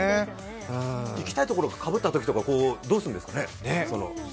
行きたいところがかぶったときとかどうするんですかね。